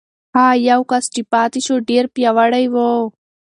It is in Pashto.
هغه یو کس چې پاتې شو، ډېر پیاوړی و.